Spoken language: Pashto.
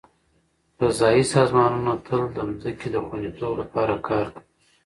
فضایي سازمانونه تل د ځمکې د خوندیتوب لپاره کار کوي.